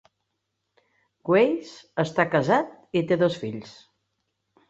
Weiss està casat i té dos fills.